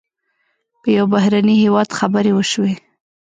په یو بهرني هېواد خبرې وشوې.